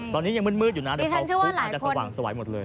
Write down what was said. ตอนนี้ยังมืดอยู่นะเดี๋ยวพอขึ้นมาจะสว่างสวัยหมดเลย